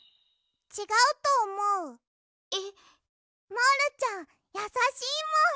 モールちゃんやさしいもん。